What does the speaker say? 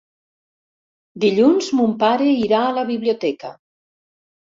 Dilluns mon pare irà a la biblioteca.